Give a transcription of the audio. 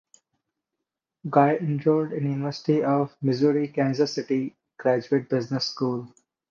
Guy enrolled in the University of Missouri–Kansas City graduate business school.